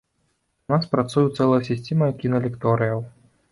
У нас працуе цэлая сістэма кіналекторыяў.